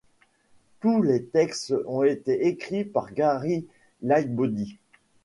Tous les textes ont été écrits par Gary Lightbody.